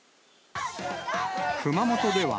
熊本では、